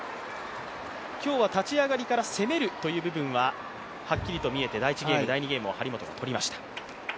今日は、立ち上がりから攻めるという部分ははっきりと見えて第１ゲーム、第２ゲームを張本が取りました。